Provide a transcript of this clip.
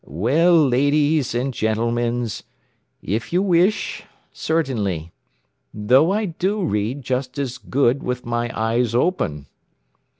"Well, ladees and gentlemans, if you wish, certainly. Though I do read just as good with my eyes open."